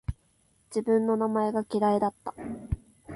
自分の名前が嫌いだった